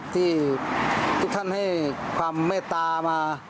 ที่ทุกท่านให้ความเมตตามา